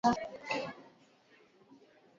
moja kwa moja basi tugeukie katika makala ya leo